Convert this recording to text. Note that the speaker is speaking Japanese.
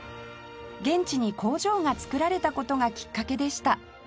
現地に工場が造られた事がきっかけでした